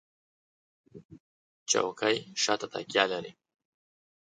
چوکۍ شاته تکیه لري.